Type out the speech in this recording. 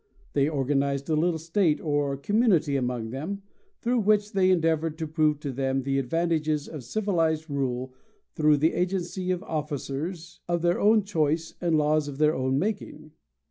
They organized a little state or community among them, through which they endeavored to prove to them the advantages of civilized rule through the agency of officers of their own choice and laws of their own making.